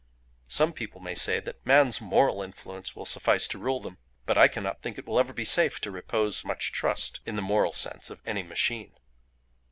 Some people may say that man's moral influence will suffice to rule them; but I cannot think it will ever be safe to repose much trust in the moral sense of any machine.